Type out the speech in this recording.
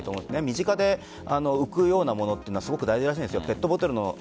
身近で浮くようなものはすごく大事らしいです。